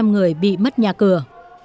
hai ba trăm linh người bị mất nhà cửa